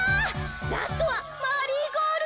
ラストはマリーゴールドです。